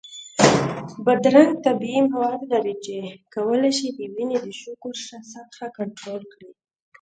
بادرنګ طبیعي مواد لري چې کولی شي د وینې د شکر سطحه کنټرول کړي.